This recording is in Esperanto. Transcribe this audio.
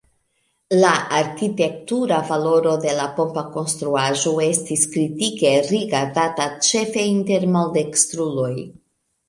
La arkitektura valoro de la pompa konstruaĵo estis kritike rigardata, ĉefe inter maldekstruloj.